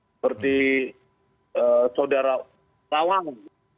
seperti saudara lawang